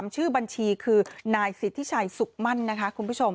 ชื่อบัญชีคือนายสิทธิชัยสุขมั่นนะคะคุณผู้ชม